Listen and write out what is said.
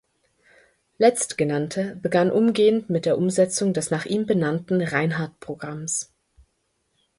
Letztgenannter begann umgehend mit der Umsetzung des nach ihm benannten Reinhardt-Programms.